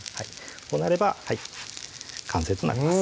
こうなれば完成となります